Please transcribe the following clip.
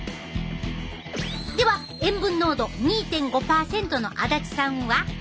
では塩分濃度２．５％の足立さんは？